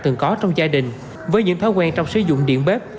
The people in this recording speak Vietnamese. từng có trong gia đình với những thói quen trong sử dụng điện bếp